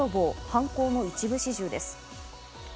犯行の一部始終です。